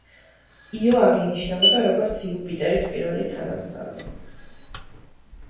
იო აღინიშნებოდა, როგორც იუპიტერის პირველი თანამგზავრი.